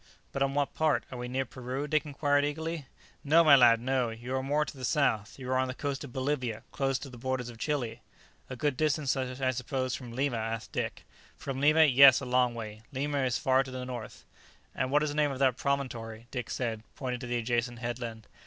"But on what part? are we near Peru?" Dick inquired eagerly. "No, my lad, no; you are more to the south; you are on the coast of Bolivia; close to the borders of Chili." "A good distance, I suppose, from Lima?" asked Dick. "From Lima? yes, a long way; Lima is far to the north." "And what is the name of that promontory?" Dick said, pointing to the adjacent headland.